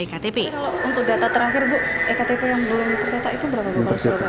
untuk data terakhir bu ektp yang belum tercetak itu berapa